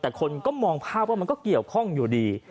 แต่คนก็มองภาพว่ามันก็เกี่ยวข้องอยู่ดี